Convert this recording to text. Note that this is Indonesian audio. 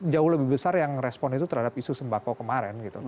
jauh lebih besar yang respon itu terhadap isu sembako kemarin